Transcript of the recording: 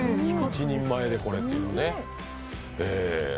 １人前でこれっていうのはね。